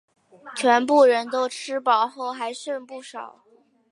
全部人都吃饱后还剩不少